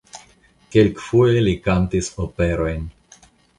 Kelkfoje li kantis operojn.